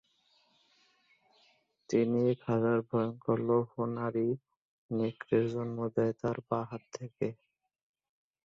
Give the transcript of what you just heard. তিনি এক হাজার ভয়ংকর লৌহ নারী-নেকড়ের জন্ম দেন তাঁর বাঁ হাত থেকে।